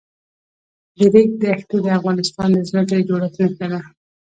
د ریګ دښتې د افغانستان د ځمکې د جوړښت نښه ده.